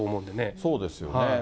そうですよね。